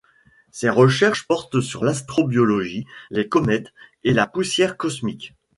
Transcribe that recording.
Ses recherches portent sur l'astrobiologie, les comètes et la poussière cosmique.